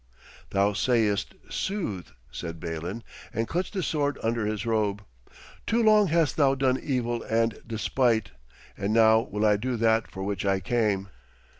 'Thou sayest sooth,' said Balin, and clutched the sword under his robe. 'Too long hast thou done evil and despite, and now will I do that for which I came.'